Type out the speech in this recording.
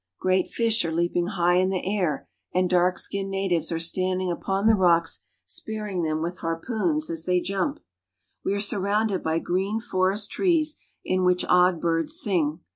Great fish are leaping high into the air, and dark skinned natives are standing upon the rocks spearing them with harpoons as they jump. We are surrounded by green forest trees, in which odd birds sing.